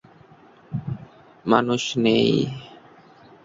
মানুষ নেই।